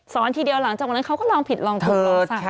สอนทีเดียวหลังจากวันนั้นเขาก็ลองผิดลองกดต่อสัก